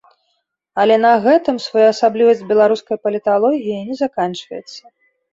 Але на гэтым своеасаблівасць беларускай паліталогіі не заканчваецца.